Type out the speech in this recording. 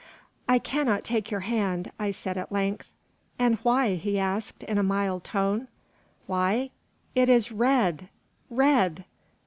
"I cannot take your hand," I said at length. "And why?" he asked, in a mild tone. "Why? It is red, red!